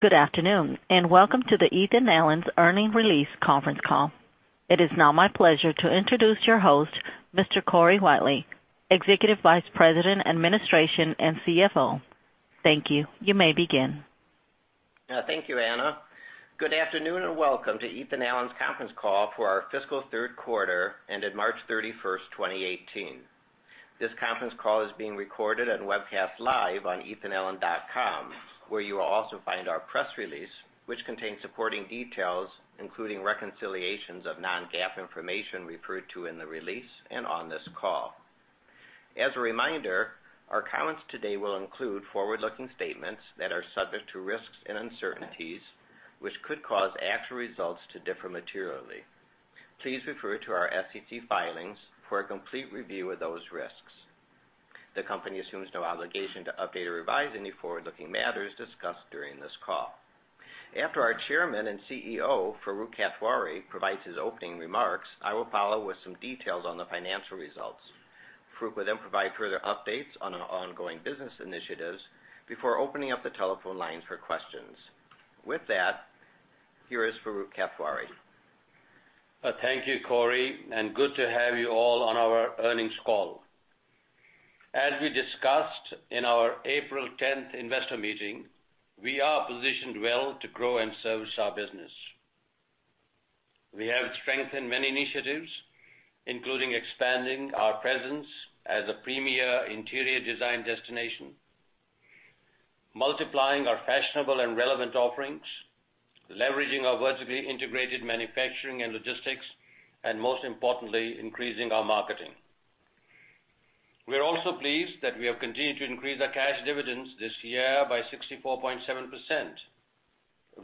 Good afternoon, welcome to the Ethan Allen's earnings release conference call. It is now my pleasure to introduce your host, Mr. Corey Whitely, Executive Vice President, Administration and CFO. Thank you. You may begin. Thank you, Anna. Good afternoon, welcome to Ethan Allen's conference call for our fiscal third quarter ended March 31st, 2018. This conference call is being recorded and webcast live on ethanallen.com, where you will also find our press release, which contains supporting details, including reconciliations of non-GAAP information referred to in the release and on this call. As a reminder, our comments today will include forward-looking statements that are subject to risks and uncertainties, which could cause actual results to differ materially. Please refer to our SEC filings for a complete review of those risks. The company assumes no obligation to update or revise any forward-looking matters discussed during this call. After our Chairman and CEO, Farooq Kathwari, provides his opening remarks, I will follow with some details on the financial results. Farooq will then provide further updates on our ongoing business initiatives before opening up the telephone lines for questions. With that, here is Farooq Kathwari. Thank you, Corey, good to have you all on our earnings call. As we discussed in our April 10th investor meeting, we are positioned well to grow and service our business. We have strengthened many initiatives, including expanding our presence as a premier interior design destination, multiplying our fashionable and relevant offerings, leveraging our vertically integrated manufacturing and logistics, and most importantly, increasing our marketing. We are also pleased that we have continued to increase our cash dividends this year by 64.7%.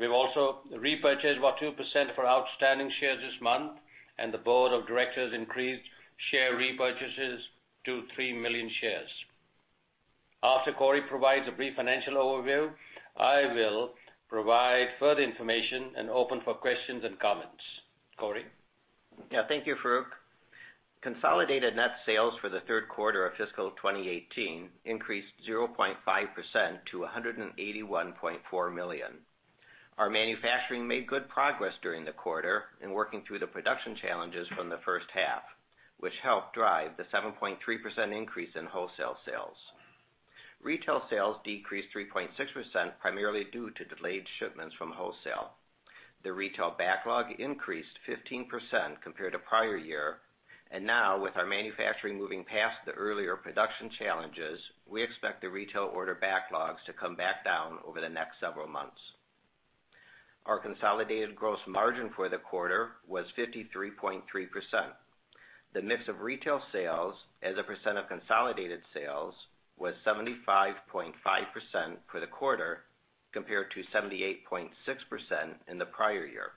We've also repurchased about 2% of our outstanding shares this month, and the board of directors increased share repurchases to three million shares. After Corey provides a brief financial overview, I will provide further information and open for questions and comments. Corey? Yeah. Thank you, Farooq. Consolidated net sales for the third quarter of fiscal 2018 increased 0.5% to $181.4 million. Our manufacturing made good progress during the quarter in working through the production challenges from the first half, which helped drive the 7.3% increase in wholesale sales. Retail sales decreased 3.6%, primarily due to delayed shipments from wholesale. The retail backlog increased 15% compared to prior year, and now with our manufacturing moving past the earlier production challenges, we expect the retail order backlogs to come back down over the next several months. Our consolidated gross margin for the quarter was 53.3%. The mix of retail sales as a percent of consolidated sales was 75.5% for the quarter, compared to 78.6% in the prior year.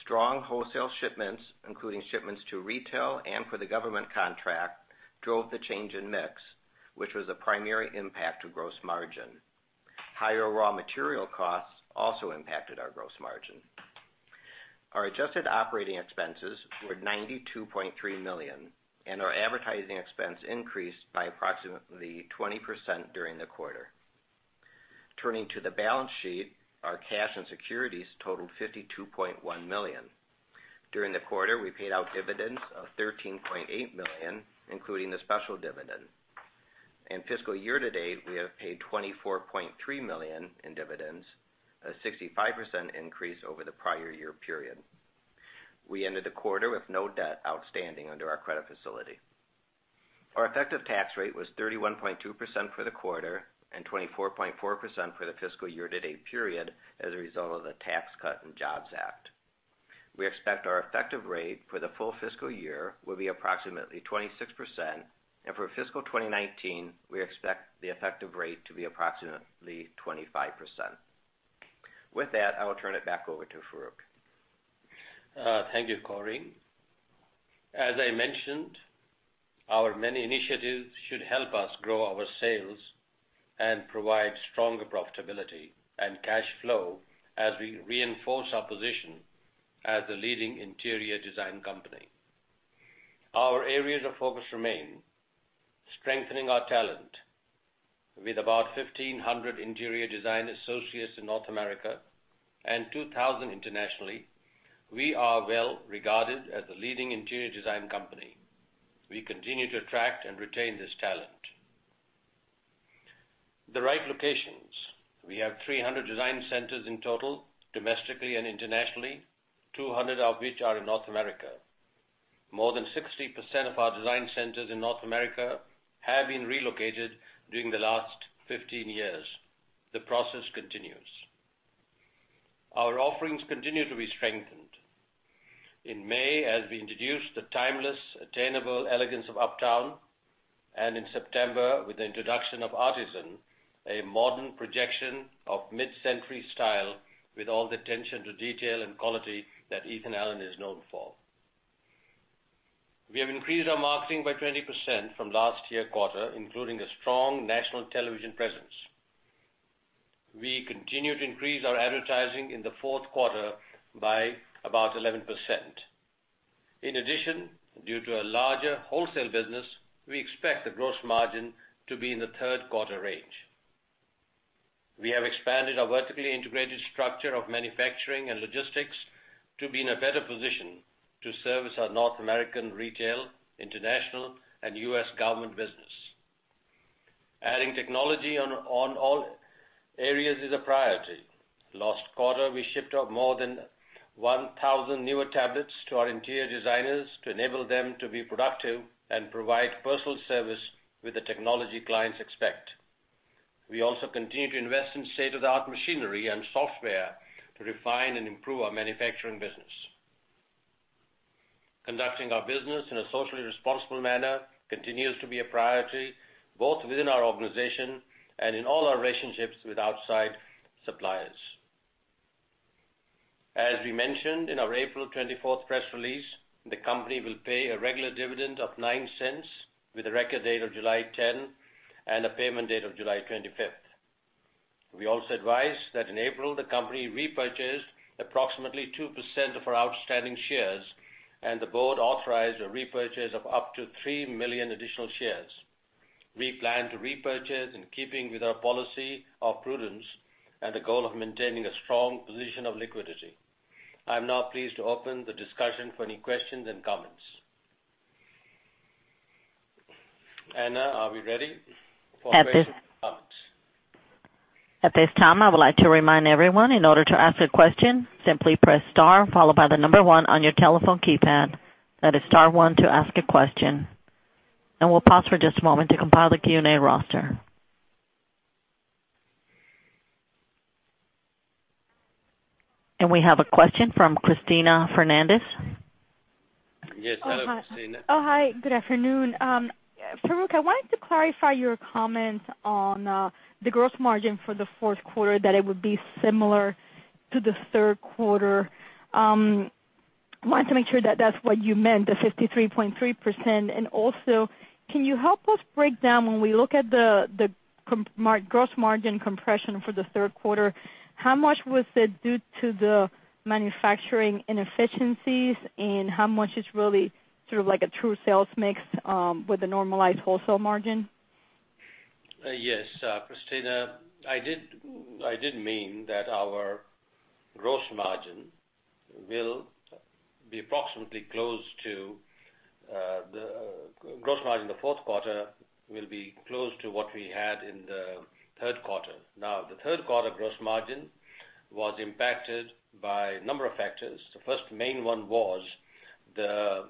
Strong wholesale shipments, including shipments to retail and for the government contract, drove the change in mix, which was a primary impact to gross margin. Higher raw material costs also impacted our gross margin. Our adjusted operating expenses were $92.3 million, and our advertising expense increased by approximately 20% during the quarter. Turning to the balance sheet, our cash and securities totaled $52.1 million. During the quarter, we paid out dividends of $13.8 million, including the special dividend. In fiscal year to date, we have paid $24.3 million in dividends, a 65% increase over the prior year period. We ended the quarter with no debt outstanding under our credit facility. Our effective tax rate was 31.2% for the quarter and 24.4% for the fiscal year to date period as a result of the Tax Cuts and Jobs Act. We expect our effective rate for the full fiscal year will be approximately 26%, and for fiscal 2019, we expect the effective rate to be approximately 25%. With that, I will turn it back over to Farooq. Thank you, Corey. As I mentioned, our many initiatives should help us grow our sales and provide stronger profitability and cash flow as we reinforce our position as the leading interior design company. Our areas of focus remain strengthening our talent. With about 1,500 interior design associates in North America and 2,000 internationally, we are well regarded as the leading interior design company. We continue to attract and retain this talent. The right locations. We have 300 design centers in total, domestically and internationally, 200 of which are in North America. More than 60% of our design centers in North America have been relocated during the last 15 years. The process continues. Our offerings continue to be strengthened. In May, as we introduced the timeless, attainable elegance of Uptown, and in September with the introduction of Artisan, a modern projection of mid-century style with all the attention to detail and quality that Ethan Allen is known for. We have increased our marketing by 20% from last year quarter, including a strong national television presence. We continue to increase our advertising in the fourth quarter by about 11%. In addition, due to a larger wholesale business, we expect the gross margin to be in the third quarter range. We have expanded our vertically integrated structure of manufacturing and logistics to be in a better position to service our North American retail, international, and U.S. government business. Adding technology on all areas is a priority. Last quarter, we shipped out more than 1,000 newer tablets to our interior designers to enable them to be productive and provide personal service with the technology clients expect. We also continue to invest in state-of-the-art machinery and software to refine and improve our manufacturing business. Conducting our business in a socially responsible manner continues to be a priority, both within our organization and in all our relationships with outside suppliers. As we mentioned in our April 24th press release, the company will pay a regular dividend of $0.09 with a record date of July 10 and a payment date of July 25th. We also advise that in April, the company repurchased approximately 2% of our outstanding shares, and the board authorized a repurchase of up to 3 million additional shares. We plan to repurchase in keeping with our policy of prudence and the goal of maintaining a strong position of liquidity. I'm now pleased to open the discussion for any questions and comments. Anna, are we ready for questions and comments? At this time, I would like to remind everyone, in order to ask a question, simply press star followed by the number 1 on your telephone keypad. That is star one to ask a question. We'll pause for just a moment to compile the Q&A roster. We have a question from Cristina Fernandez. Yes. Hello, Cristina. Oh, hi. Good afternoon. Farooq, I wanted to clarify your comment on the gross margin for the fourth quarter, that it would be similar to the third quarter. Wanted to make sure that that's what you meant, the 53.3%. Also, can you help us break down when we look at the gross margin compression for the third quarter, how much was it due to the manufacturing inefficiencies, and how much is really sort of like a true sales mix, with the normalized wholesale margin? Yes. Cristina, I did mean that our gross margin of the fourth quarter will be close to what we had in the third quarter. The third quarter gross margin was impacted by a number of factors. The first main one was the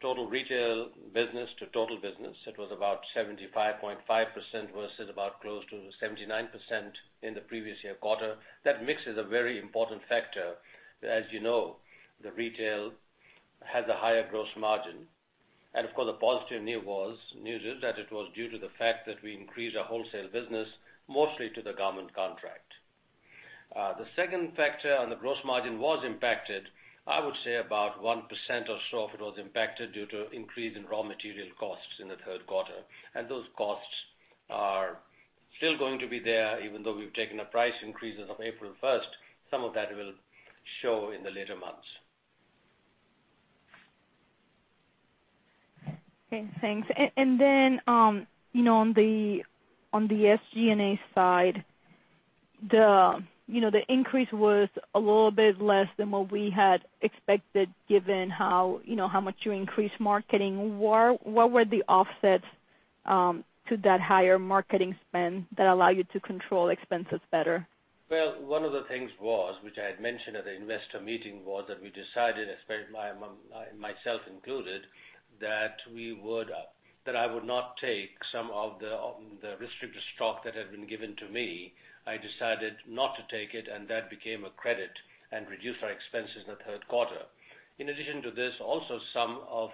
total retail business to total business. It was about 75.5% versus about close to 79% in the previous year quarter. That mix is a very important factor. As you know, the retail has a higher gross margin. Of course, the positive news is that it was due to the fact that we increased our wholesale business mostly to the government contract. The second factor on the gross margin was impacted, I would say, about 1% or so of it was impacted due to increase in raw material costs in the third quarter. Those costs are still going to be there even though we've taken the price increases on April 1st. Some of that will show in the later months. Okay, thanks. Then, on the SG&A side, the increase was a little bit less than what we had expected, given how much you increased marketing. What were the offsets to that higher marketing spend that allow you to control expenses better? Well, one of the things was, which I had mentioned at the investor meeting, was that we decided, myself included, that I would not take some of the restricted stock that had been given to me. I decided not to take it, and that became a credit and reduced our expenses in the third quarter. In addition to this, also some of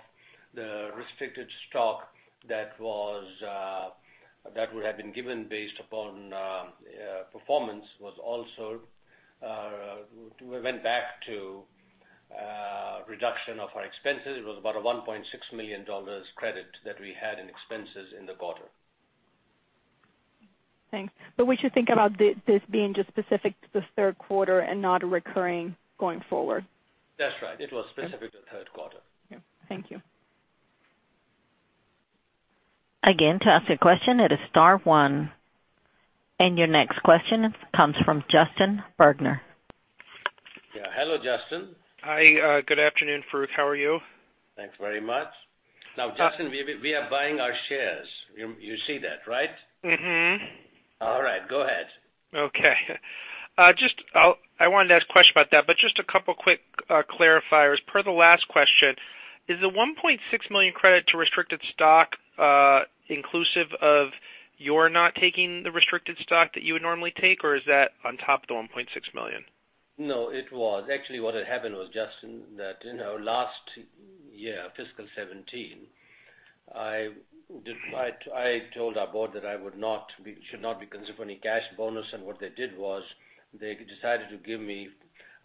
the restricted stock that would have been given based upon performance, we went back to reduction of our expenses. It was about a $1.6 million credit that we had in expenses in the quarter. Thanks. We should think about this being just specific to the third quarter and not recurring going forward. That's right. It was specific to the third quarter. Yeah. Thank you. To ask a question, it is star one. Your next question comes from Justin Bergner. Yeah. Hello, Justin. Hi. Good afternoon, Farooq. How are you? Thanks very much. Now, Justin, we are buying our shares. You see that, right? All right. Go ahead. I wanted to ask a question about that, just a couple quick clarifiers. Per the last question, is the $1.6 million credit to restricted stock inclusive of your not taking the restricted stock that you would normally take, or is that on top of the $1.6 million? No, it was. Actually what had happened was, Justin, that in our last year, fiscal 2017, I told our board that I should not be considered for any cash bonus. What they did was they decided to give me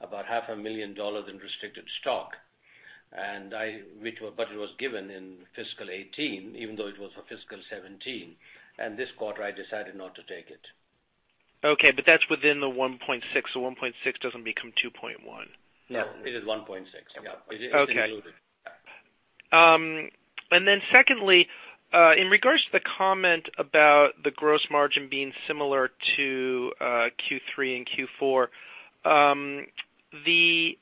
about half a million dollars in restricted stock. It was given in fiscal 2018, even though it was for fiscal 2017, this quarter I decided not to take it. That's within the $1.6. $1.6 doesn't become $2.1? No, it is 1.6. Yeah. It is included. Okay. Secondly, in regards to the comment about the gross margin being similar to Q3 and Q4, the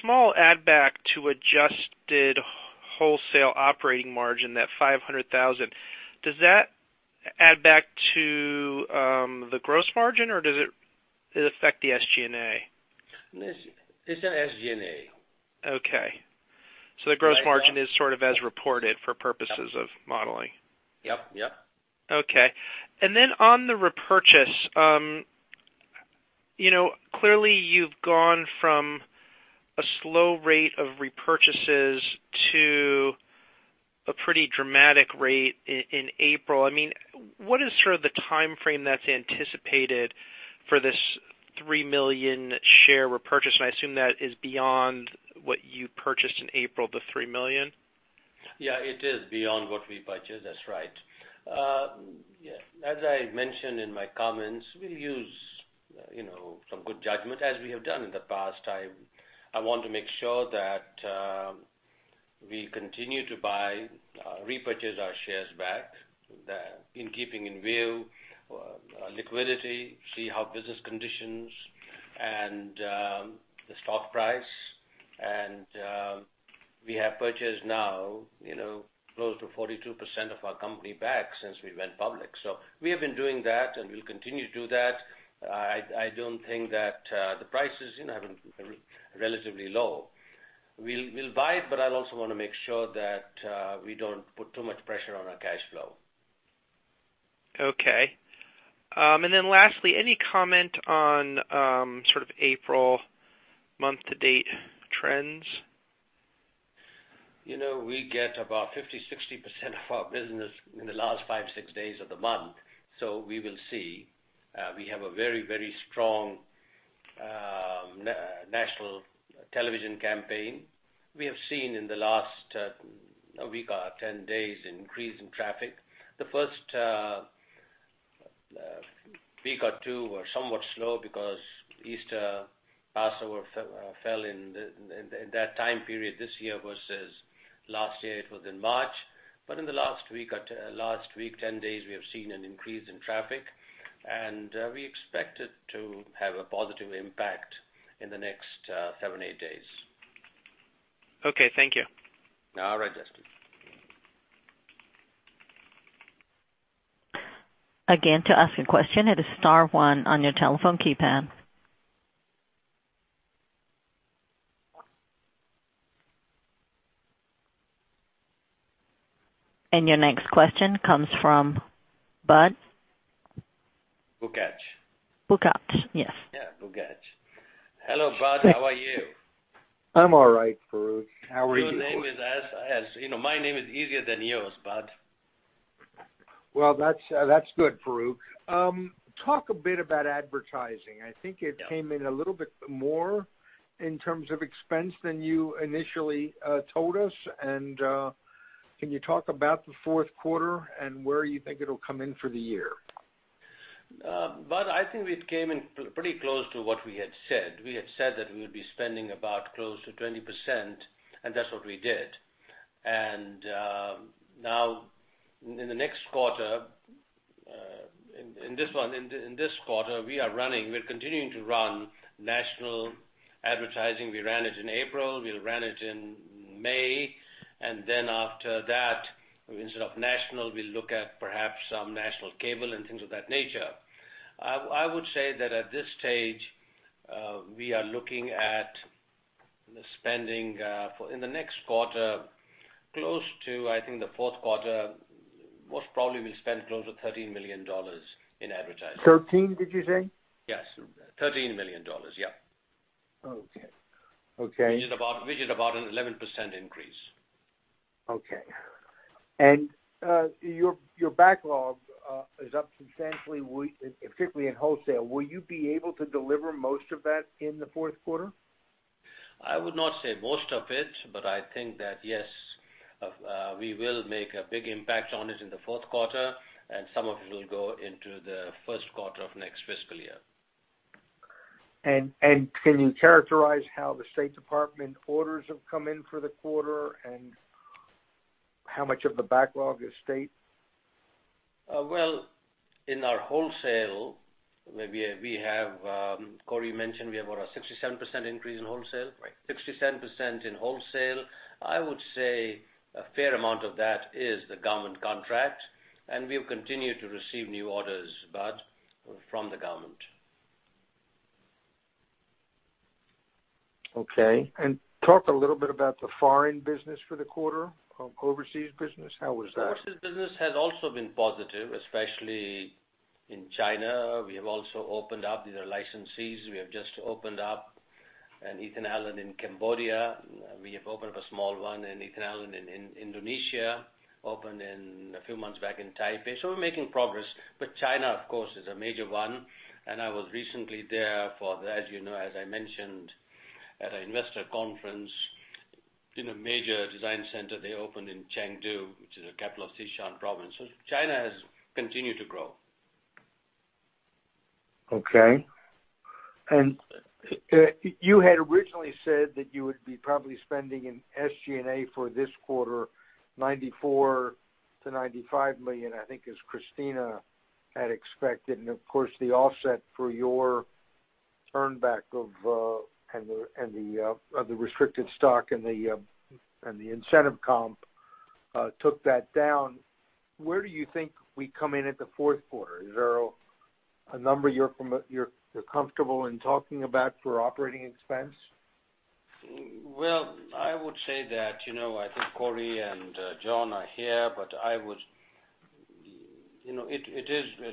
small add back to adjusted wholesale operating margin, that $500,000, does that add back to the gross margin, or does it affect the SG&A? It's the SG&A. Okay. The gross margin is sort of as reported for purposes of modeling. Yep. On the repurchase, clearly you've gone from a slow rate of repurchases to a pretty dramatic rate in April. What is sort of the timeframe that's anticipated for this 3 million share repurchase? I assume that is beyond what you purchased in April, the 3 million? Yeah, it is beyond what we purchased. That's right. As I mentioned in my comments, we'll use some good judgment as we have done in the past. I want to make sure that we continue to buy, repurchase our shares back, in keeping in view liquidity, see how business conditions and the stock price. We have purchased now close to 42% of our company back since we went public. We have been doing that, and we'll continue to do that. I don't think that the prices have been relatively low. We'll buy it, but I also want to make sure that we don't put too much pressure on our cash flow. Okay. Lastly, any comment on sort of April month to date trends? We get about 50%, 60% of our business in the last five, six days of the month, so we will see. We have a very strong national television campaign. We have seen in the last week or 10 days increase in traffic. The first week or two were somewhat slow because Easter, Passover fell in that time period this year, versus last year it was in March. In the last week, 10 days, we have seen an increase in traffic, and we expect it to have a positive impact in the next seven, eight days. Okay, thank you. All right, Justin. Again, to ask a question, hit star one on your telephone keypad. Your next question comes from Budd. Bugatch. Bugatch, yes. Yeah, Bugatch. Hello, Budd. How are you? I'm all right, Farooq. How are you? Your name is My name is easier than yours, Budd. That's good, Farooq. Talk a bit about advertising. I think it came in a little bit more in terms of expense than you initially told us. Can you talk about the fourth quarter and where you think it'll come in for the year? Budd, I think it came in pretty close to what we had said. We had said that we would be spending about close to 20%, and that's what we did. Now in the next quarter, in this quarter, we are continuing to run national advertising. We ran it in April, we ran it in May, then after that, instead of national, we'll look at perhaps some national cable and things of that nature. I would say that at this stage, we are looking at spending in the next quarter, close to, I think the fourth quarter, most probably we'll spend close to $13 million in advertising. 13, did you say? Yes, $13 million. Yeah. Okay. Which is about an 11% increase. Okay. Your backlog is up substantially, particularly in wholesale. Will you be able to deliver most of that in the fourth quarter? I would not say most of it, but I think that, yes, we will make a big impact on it in the fourth quarter, and some of it will go into the first quarter of next fiscal year. Can you characterize how the State Department orders have come in for the quarter, and how much of the backlog is State? Well, in our wholesale, Corey mentioned we have about a 67% increase in wholesale. Right. 67% in wholesale. I would say a fair amount of that is the government contract, we'll continue to receive new orders, Budd, from the government. Okay, talk a little bit about the foreign business for the quarter, overseas business. How was that? Overseas business has also been positive, especially in China. We have also opened up the licensees. We have just opened up an Ethan Allen in Cambodia. We have opened up a small one, an Ethan Allen in Indonesia. Opened a few months back in Taipei. We're making progress. China, of course, is a major one, I was recently there for, as you know, as I mentioned, at an investor conference, in a major design center they opened in Chengdu, which is the capital of Sichuan province. China has continued to grow. Okay. You had originally said that you would be probably spending in SG&A for this quarter, $94 million-$95 million, I think, as Cristina had expected. Of course, the offset for your earn back of the restricted stock and the incentive comp took that down. Where do you think we come in at the fourth quarter? Is there a number you're comfortable in talking about for operating expense? Well, I would say that, I think Corey and John are here,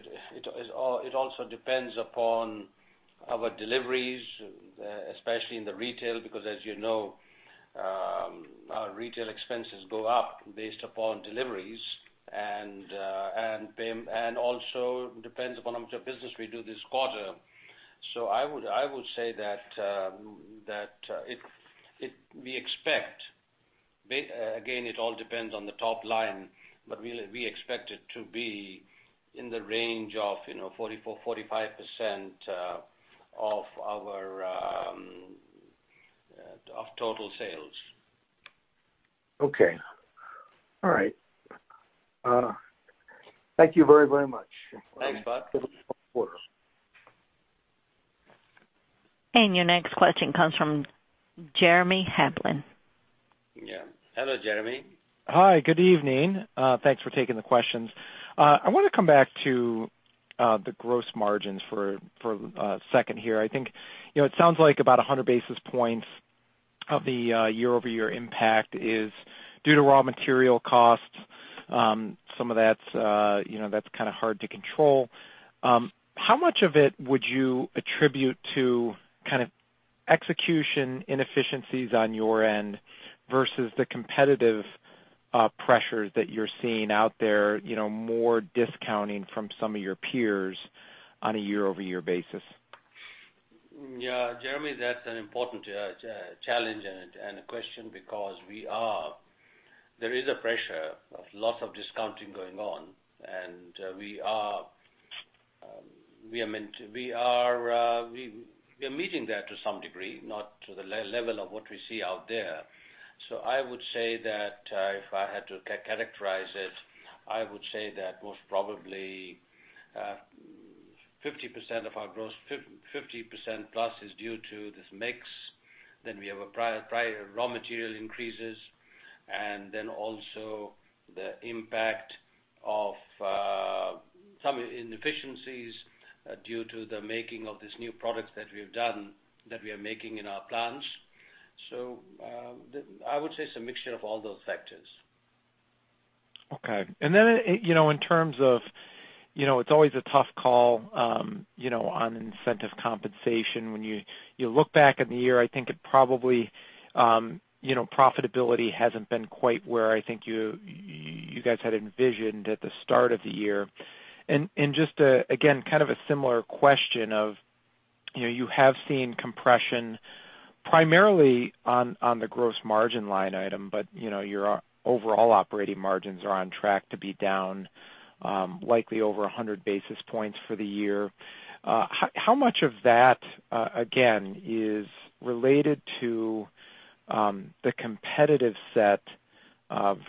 it also depends upon our deliveries, especially in the retail, because as you know, our retail expenses go up based upon deliveries, also depends upon how much of business we do this quarter. I would say that we expect, again, it all depends on the top line, but we expect it to be in the range of 44%-45% of total sales. Okay. All right. Thank you very, very much. Thanks, Budd. Have a good quarter. Your next question comes from Jeremy Hamblin. Yeah. Hello, Jeremy. Hi, good evening. Thanks for taking the questions. I want to come back to the gross margins for a second here. I think it sounds like about 100 basis points of the year-over-year impact is due to raw material costs. Some of that's kind of hard to control. How much of it would you attribute to kind of execution inefficiencies on your end versus the competitive pressures that you're seeing out there, more discounting from some of your peers on a year-over-year basis? Yeah, Jeremy, that's an important challenge and a question because there is a pressure of lots of discounting going on, and we are meeting that to some degree, not to the level of what we see out there. I would say that if I had to characterize it, I would say that most probably 50% plus is due to this mix. We have raw material increases, and then also the impact of some inefficiencies due to the making of these new products that we've done, that we are making in our plants. I would say it's a mixture of all those factors. Okay. In terms of, it's always a tough call on incentive compensation. When you look back on the year, I think it probably, profitability hasn't been quite where I think you guys had envisioned at the start of the year. Just, again, kind of a similar question of, you have seen compression primarily on the gross margin line item, but your overall operating margins are on track to be down likely over 100 basis points for the year. How much of that, again, is related to the competitive set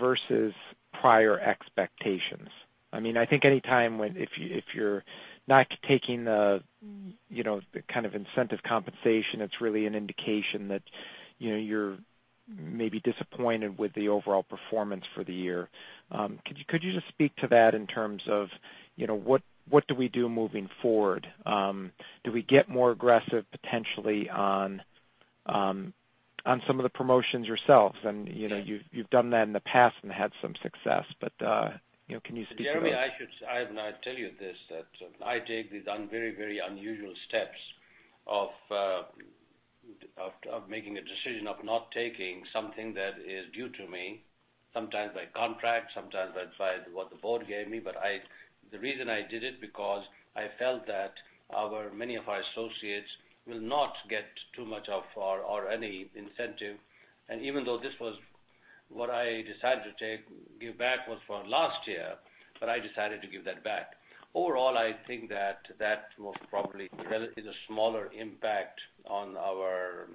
versus prior expectations? I think anytime if you're not taking the kind of incentive compensation, it's really an indication that you're maybe disappointed with the overall performance for the year. Could you just speak to that in terms of what do we do moving forward? Do we get more aggressive potentially on some of the promotions yourselves? You've done that in the past and had some success, but can you speak to that? Jeremy, I tell you this, that I take the very unusual steps of making a decision of not taking something that is due to me, sometimes by contract, sometimes by what the board gave me. The reason I did it, because I felt that many of our associates will not get too much of, or any incentive. Even though this was what I decided to give back was for last year, but I decided to give that back. Overall, I think that most probably is a smaller impact on our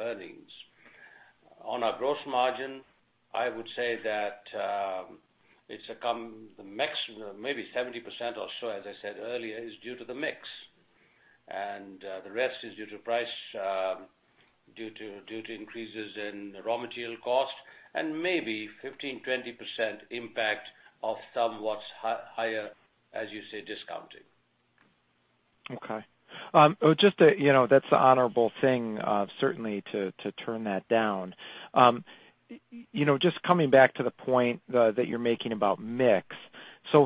earnings. On our gross margin, I would say that it's maybe 70% or so, as I said earlier, is due to the mix, and the rest is due to price, due to increases in raw material cost, and maybe 15%, 20% impact of somewhat higher, as you say, discounting. Okay. That's the honorable thing, certainly, to turn that down. Just coming back to the point that you're making about mix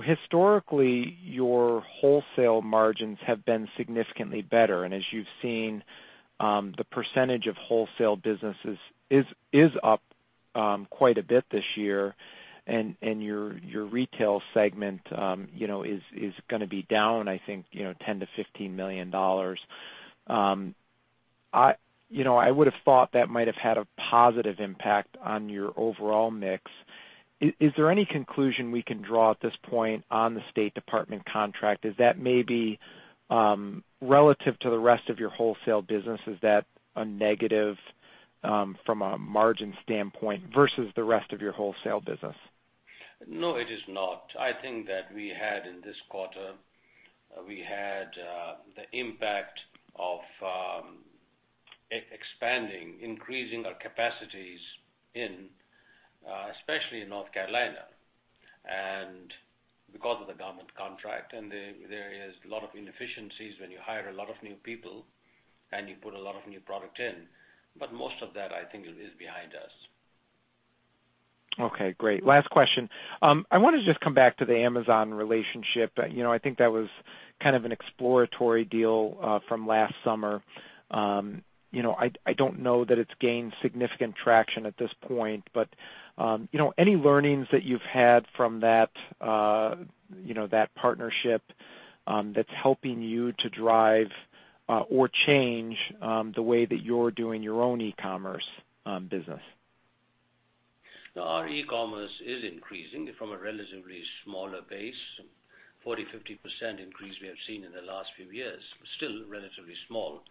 historically, your wholesale margins have been significantly better. As you've seen, the percentage of wholesale businesses is up quite a bit this year. Your retail segment is gonna be down, I think, $10 million-$15 million. I would have thought that might have had a positive impact on your overall mix. Is there any conclusion we can draw at this point on the State Department contract? Is that maybe, relative to the rest of your wholesale business, is that a negative from a margin standpoint versus the rest of your wholesale business? No, it is not. I think that we had, in this quarter, the impact of expanding, increasing our capacities, especially in North Carolina, and because of the government contract. There is a lot of inefficiencies when you hire a lot of new people and you put a lot of new product in. Most of that, I think, is behind us. Okay, great. Last question. I want to just come back to the Amazon relationship. I think that was an exploratory deal from last summer. I don't know that it's gained significant traction at this point, but any learnings that you've had from that partnership that's helping you to drive or change the way that you're doing your own e-commerce business? No, our e-commerce is increasing from a relatively smaller base, 40%-50% increase we have seen in the last few years, but still relatively small.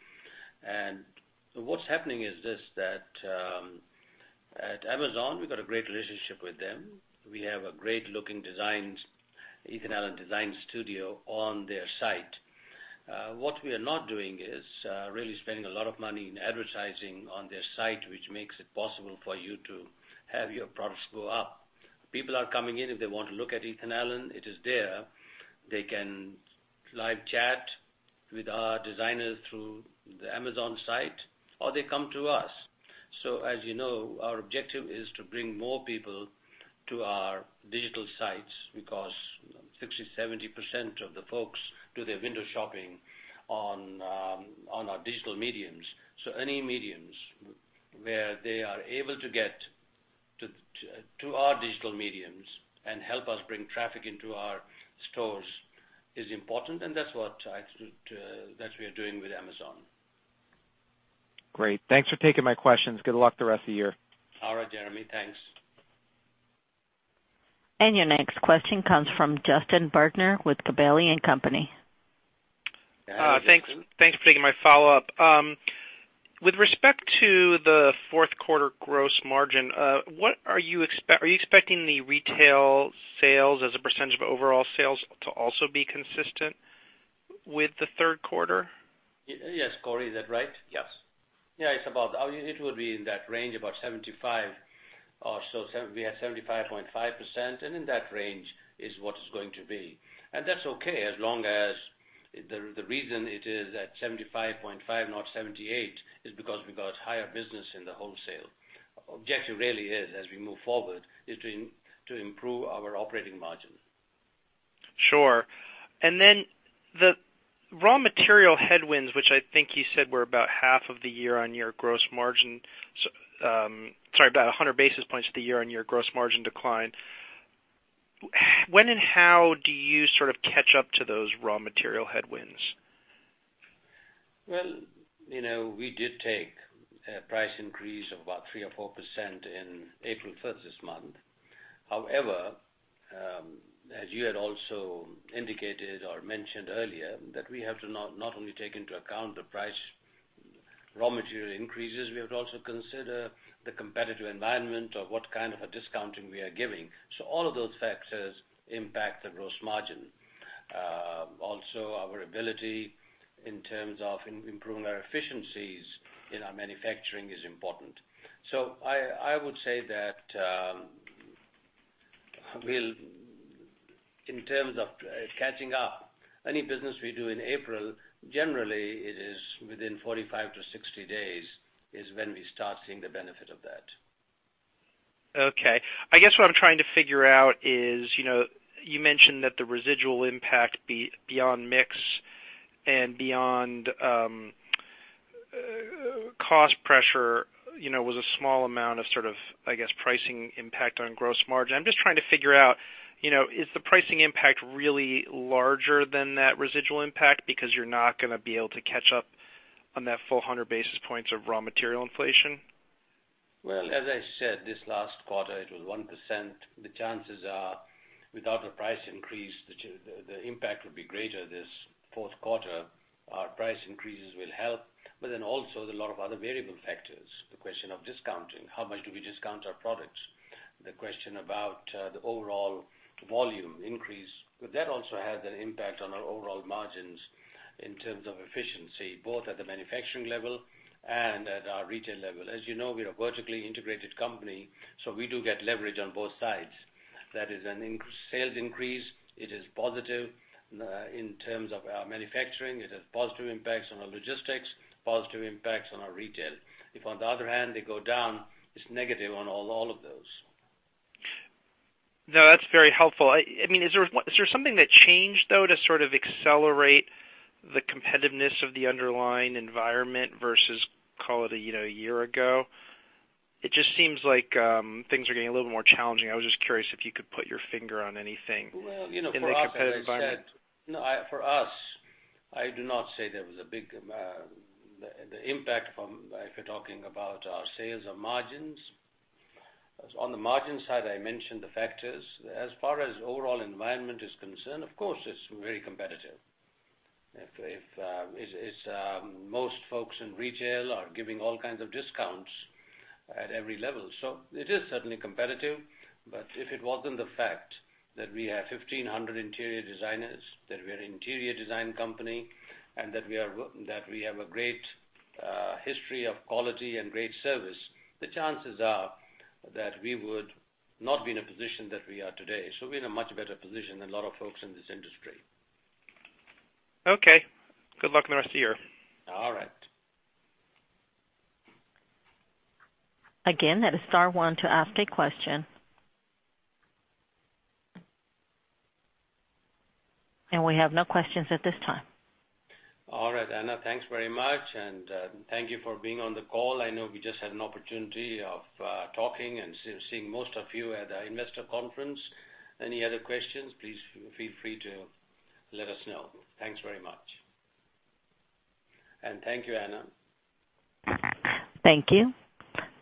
What's happening is this, that at Amazon, we've got a great relationship with them. We have a great-looking Ethan Allen design studio on their site. What we are not doing is really spending a lot of money in advertising on their site, which makes it possible for you to have your products go up. People are coming in if they want to look at Ethan Allen, it is there. They can live chat with our designers through the Amazon site, or they come to us. As you know, our objective is to bring more people to our digital sites because 60%-70% of the folks do their window shopping on our digital mediums. Any mediums where they are able to get to our digital mediums and help us bring traffic into our stores is important, and that's what we are doing with Amazon. Great. Thanks for taking my questions. Good luck the rest of the year. All right, Jeremy. Thanks. Your next question comes from Justin Bergner with Gabelli & Company. Hi, Justin. Thanks for taking my follow-up. With respect to the fourth quarter gross margin, are you expecting the retail sales as a percentage of overall sales to also be consistent with the third quarter? Yes. Corey, is that right? Yes. Yeah, it will be in that range, about 75% or so. We had 75.5%, and in that range is what it's going to be. That's okay, as long as the reason it is at 75.5%, not 78%, is because we got higher business in the wholesale. Objective really is, as we move forward, is to improve our operating margin. Sure. Then the raw material headwinds, which I think you said were about half of the year-on-year gross margin-- sorry, about 100 basis points to the year-on-year gross margin decline. When and how do you sort of catch up to those raw material headwinds? We did take a price increase of about 3% or 4% in April 1st this month. As you had also indicated or mentioned earlier, that we have to not only take into account the price raw material increases, we have to also consider the competitive environment of what kind of a discounting we are giving. All of those factors impact the gross margin. Our ability in terms of improving our efficiencies in our manufacturing is important. I would say that in terms of catching up, any business we do in April, generally it is within 45 to 60 days, is when we start seeing the benefit of that. Okay. I guess what I'm trying to figure out is, you mentioned that the residual impact beyond mix and beyond cost pressure was a small amount of sort of pricing impact on gross margin. I'm just trying to figure out, is the pricing impact really larger than that residual impact because you're not gonna be able to catch up on that full 100 basis points of raw material inflation? As I said, this last quarter it was 1%. The chances are, without a price increase, the impact would be greater this fourth quarter. Our price increases will help. Also, there are a lot of other variable factors. The question of discounting, how much do we discount our products? The question about the overall volume increase. That also has an impact on our overall margins in terms of efficiency, both at the manufacturing level and at our retail level. As you know, we're a vertically integrated company, we do get leverage on both sides. That is a sales increase. It is positive in terms of our manufacturing. It has positive impacts on our logistics, positive impacts on our retail. If on the other hand, they go down, it's negative on all of those. No, that's very helpful. Is there something that changed, though, to sort of accelerate the competitiveness of the underlying environment versus a year ago? It just seems like things are getting a little more challenging. I was just curious if you could put your finger on anything in the competitive environment. For us, I do not say there was a big impact from, if you're talking about our sales or margins. On the margin side, I mentioned the factors. As far as overall environment is concerned, of course, it's very competitive. Most folks in retail are giving all kinds of discounts at every level. It is certainly competitive. If it wasn't the fact that we have 1,500 interior designers, that we're an interior design company, and that we have a great history of quality and great service, the chances are that we would not be in a position that we are today. We're in a much better position than a lot of folks in this industry. Okay. Good luck the rest of the year. All right. Again, that is star one to ask a question. We have no questions at this time. All right. Anna, thanks very much, and thank you for being on the call. I know we just had an opportunity of talking and seeing most of you at our investor conference. Any other questions, please feel free to let us know. Thanks very much. Thank you, Anna. Thank you.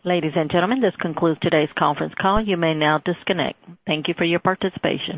Ladies and gentlemen, this concludes today's conference call. You may now disconnect. Thank you for your participation.